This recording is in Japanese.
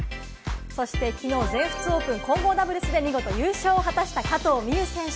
そしてきのう、全仏オープン混合ダブルスで見事優勝を果たした加藤未唯選手。